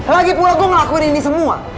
lagipula gua ngelakuin ini semua